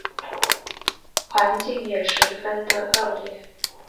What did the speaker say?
环境也十分的恶劣